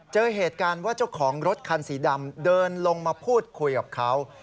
เจอเหตุการณ์ว่าเจ้าของรถคันสีดำเดินลงมาพูดคุยกับเขา